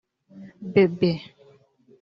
Bébé